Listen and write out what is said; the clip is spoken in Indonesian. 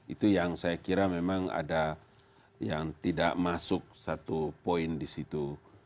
itu yang saya kira memang ada yang tidak masuk satu poin di situ